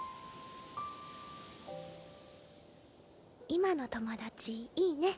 今の友達いいね。